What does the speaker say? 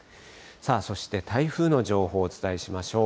さあそして、台風の情報をお伝えしましょう。